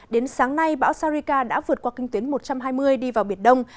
đến sáng nay bão sarika đã vượt qua kinh tuyến một trăm hai mươi đi vào biển đông